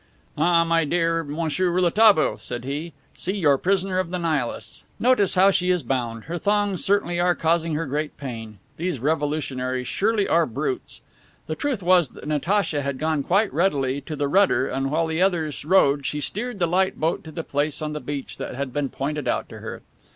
"Ah, my dear Monsieur Rouletabille," said he, "see your prisoner of the Nihilists. Notice how she is bound. Her thongs certainly are causing her great pain. These revolutionaries surely are brutes!" The truth was that Natacha had gone quite readily to the rudder and while the others rowed she steered the light boat to the place on the beach that had been pointed out to her.